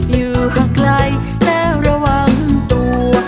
อยู่ข้างไกลและระวังตัว